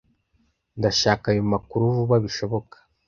Ndashaka ayo makuru vuba bishoboka.